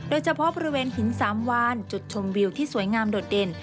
โดยเฉพาะบริเวณหินสามวานจุดชมวิวที่สวยงามโดดเด่น